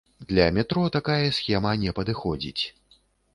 Для метро такая схема не падыходзіць.